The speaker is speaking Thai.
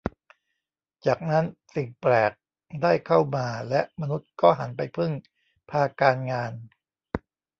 จากนั้นสิ่งแปลกได้เข้ามาและมนุษย์ก็หันไปพึ่งพาการงาน